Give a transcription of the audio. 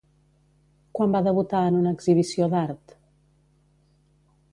Quan va debutar en una exhibició d'art?